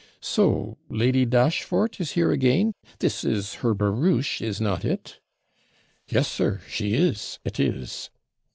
'So, Lady Dashfort is here again? This is her barouche, is not it?' 'Yes, sir, she is it is.'